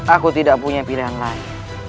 aku tidak punya pilihan lain